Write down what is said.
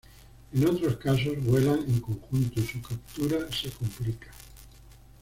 En otros casos, vuelan en conjunto y su captura se complica.